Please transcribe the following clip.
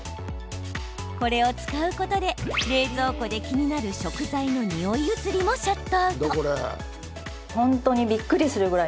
これを使うことで冷蔵庫で気になる食材のにおい移りもシャットアウト。